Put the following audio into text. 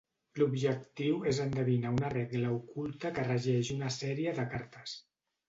L'objectiu és endevinar una regla oculta que regeix una sèrie de cartes.